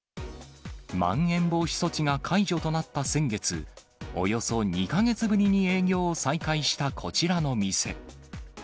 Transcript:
まん延防止措置が解除となった先月、およそ２か月ぶりに営業を再開したこちらの店。